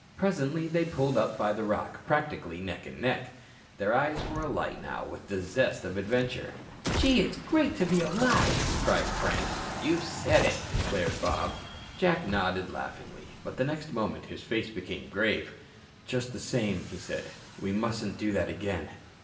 Presently they pulled up by the rock, practically neck and neck. Their eyes were alight now with the zest of adventure. "Gee, it's great to be alive," cried Frank. "You said it," declared Bob. Jack nodded laughingly, but the next moment his face became grave. "Just the same," he said, "we mustn't do that again."